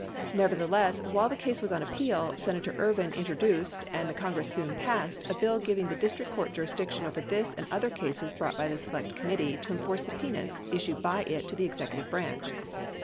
Never theless, while the case was on appeal, Senator Ervin introduced, and the Congress soon passed, a bill giving the district court jurisdiction over this and other cases brought by the Select Committee to enforce subpenas issued by it to the executive branch.